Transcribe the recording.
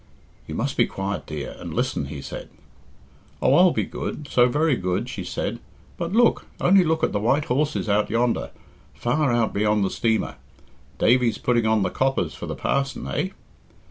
"You must be quiet, dear, and listen," he said. "Oh, I'll be good so very good," she said. "But look! only look at the white horses out yonder far out beyond the steamer. Davy's putting on the coppers for the parson, eh?"